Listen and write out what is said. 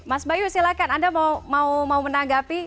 mas bayu silahkan anda mau menanggapi